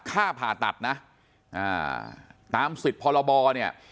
ค่าผ่าตัดนะอ่าตามสิทธิ์พรบเนี่ย